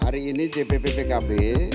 hari ini di bppkb